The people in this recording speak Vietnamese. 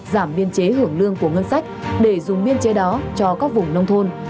giảm biên chế hưởng lương của ngân sách để dùng biên chế đó cho các vùng nông thôn